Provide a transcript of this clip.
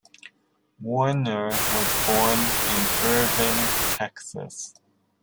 Wariner was born in Irving, Texas.